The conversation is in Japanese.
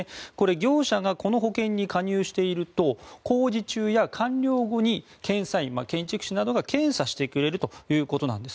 業者がこの保険に加入していると工事中や完了後に検査員、建築士などが検査してくれるということです。